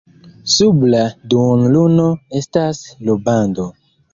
Sub la duonluno estas rubando.